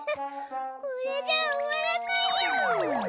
これじゃあ終わらないよ。